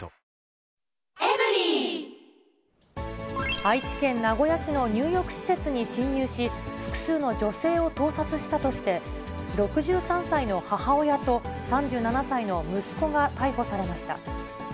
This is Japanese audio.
愛知県名古屋市の入浴施設に侵入し、複数の女性を盗撮したとして、６３歳の母親と３７歳の息子が逮捕されました。